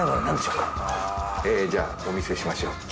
じゃあお見せしましょう。